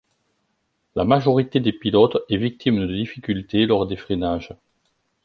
La majorité des pilotes est victime de difficultés lors des freinages.